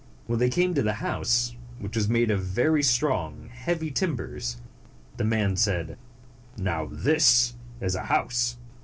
When they came to the house, which was made of very strong, heavy timbers, the man said, 138 "Now this is a house.